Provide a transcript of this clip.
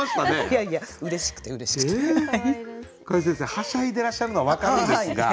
はしゃいでらっしゃるのは分かるんですが。